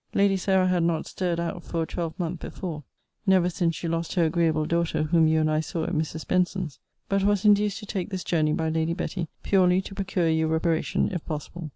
Lady Sarah had not stirred out for a twelve month before; never since she lost her agreeable daughter whom you and I saw at Mrs. Benson's: but was induced to take this journey by Lady Betty, purely to procure you reparation, if possible.